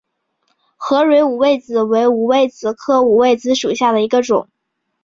合蕊五味子为五味子科五味子属下的一个种。